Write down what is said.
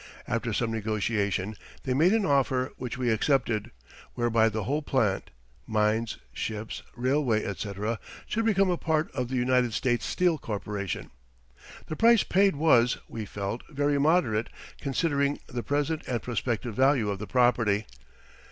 After some negotiation, they made an offer which we accepted, whereby the whole plant mines, ships, railway, etc. should become a part of the United States Steel Corporation. The price paid was, we felt, very moderate considering the present and prospective value of the property.